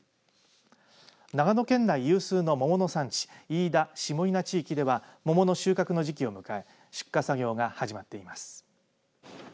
長野県内有数の桃の産地飯田下伊那地域では桃の収穫の時期を迎え出荷作業が始まっています。